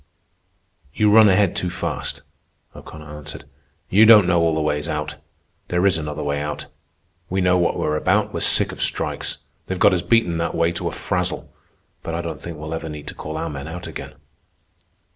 _" "You run ahead too fast," O'Connor answered. "You don't know all the ways out. There is another way out. We know what we're about. We're sick of strikes. They've got us beaten that way to a frazzle. But I don't think we'll ever need to call our men out again."